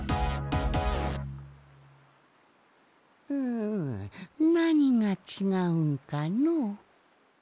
んなにがちがうんかのう。